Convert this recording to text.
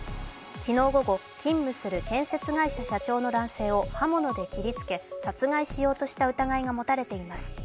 昨日午後、勤務する建設会社社長の男性を刃物で切りつけ、殺害しようとした疑いが持たれています。